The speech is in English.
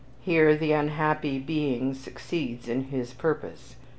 Here the unhappy being succeeds in his purpose.